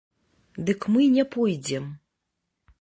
Дык мы не пойдзем.